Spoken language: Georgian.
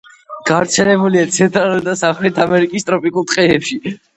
გავრცელებულია ცენტრალურ და სამხრეთ ამერიკის ტროპიკულ ტყეებში.